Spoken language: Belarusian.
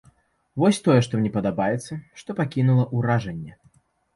Вось тое, што мне падабаецца, што пакінула ўражанне.